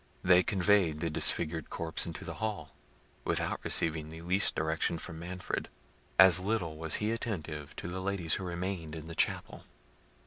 They conveyed the disfigured corpse into the hall, without receiving the least direction from Manfred. As little was he attentive to the ladies who remained in the chapel.